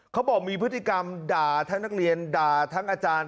เขาบอกมีพฤติกรรมด่าทั้งนักเรียนด่าทั้งอาจารย์